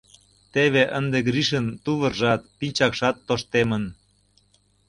Теве ынде Гришын тувыржат, пинчакшат тоштемын.